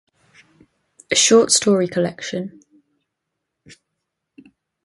A short story collection.